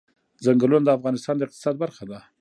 چنګلونه د افغانستان د اقتصاد برخه ده.